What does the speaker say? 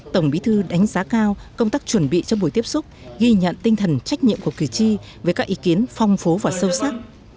tổng bí thư đánh giá cao công tác chuẩn bị cho buổi tiếp xúc ghi nhận tinh thần trách nhiệm của cử tri với các ý kiến phong phú và sâu sắc